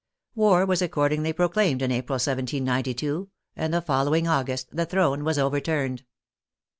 War was accordingly pro claimed in April, 1792, and the following August the throne was overturned.